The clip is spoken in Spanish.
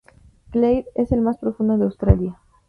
Clair, el más profundo de Australia.